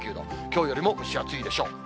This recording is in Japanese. きょうよりも蒸し暑いでしょう。